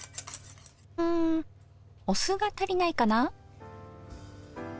んお酢が足りないかな。